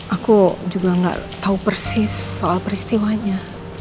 aku juga gak tahu persis soal peristiwanya